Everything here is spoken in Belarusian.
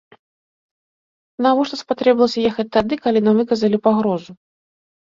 Навошта спатрэбілася ехаць тады, калі нам выказалі пагрозу?